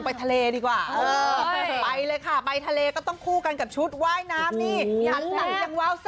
ไปทะเลดีกว่าเอออืมไปเลยค่ะไปทะเลก็ต้องคู่กันกับชุดว่ายน้ำ